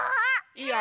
いいよ。